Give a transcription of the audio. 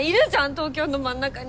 東京の真ん中に！